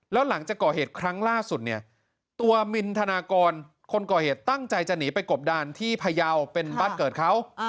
แล้วหลังจากก่อเหตุครั้งล่าสุดเนี่ยตัวมินธนากรคนก่อเหตุตั้งใจจะหนีไปกบดานที่พยาวเป็นบ้านเกิดเขา